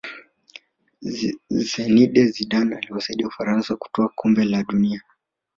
zinedine zidane aliwasaidia ufaransa kutwaa kombe la dunia